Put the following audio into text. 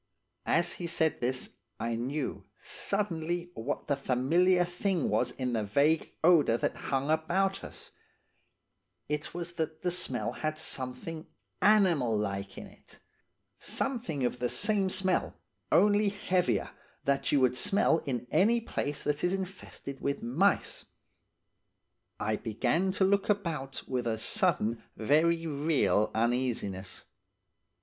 "As he said this I knew, suddenly, what the familiar thing was in the vague odour that hung about us–it was that the smell had something animal like in it; something of the same smell, only heavier, that you would smell in any place that is infested with mice. I began to look about with a sudden very real uneasiness.